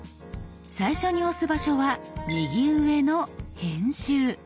最初に押す場所は右上の「編集」。